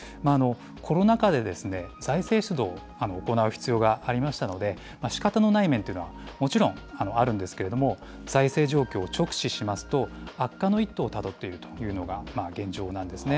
コロナ禍で、財政出動を行う必要がありましたので、しかたのない面というのは、もちろんあるんですけれども、財政状況を直視しますと、悪化の一途をたどっているというのが現状なんですね。